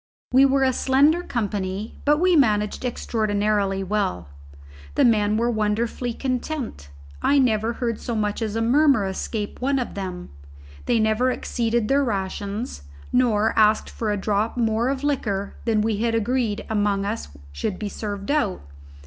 We were a slender company, but we managed extraordinarily well. The men were wonderfully content; I never heard so much as a murmur escape one of them; they never exceeded their rations nor asked for a drop more of liquor than we had agreed among us should be served out.